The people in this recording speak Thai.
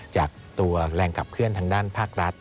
จากตัวแรงขับเคลื่อนทางด้านภาครัฐ